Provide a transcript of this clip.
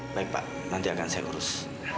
baik pak nanti akan saya urus